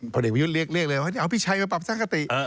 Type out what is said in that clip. พลเอกประยุทธ์เรียกเลยว่าเอาพิชัยมาปรับทัศนกติ